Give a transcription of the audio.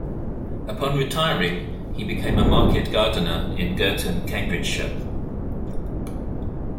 Upon retiring, he became a market gardener in Girton, Cambridgeshire.